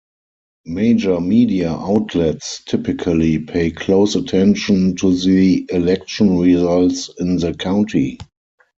Major media outlets typically pay close attention to the election results in the county.